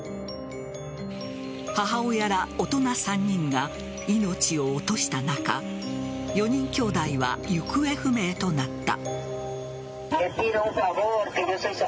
母親ら大人３人が命を落とした中４人きょうだいは行方不明となった。